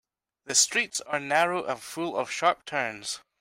The streets are narrow and full of sharp turns.